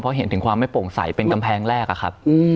เพราะเห็นถึงความไม่โปร่งใสเป็นกำแพงแรกอะครับ